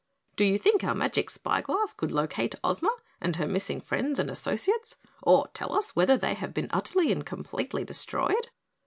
"Do you think our magic spyglass could locate Ozma and her missing friends and associates or tell us whether they have been utterly and completely destroyed?"